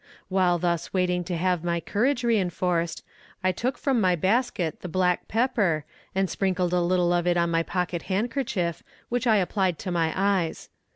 While thus waiting to have my courage reinforced, I took from my basket the black pepper and sprinkled a little of it on my pocket handkerchief, which I applied to my eyes.